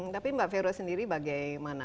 tapi mbak vero sendiri bagaimana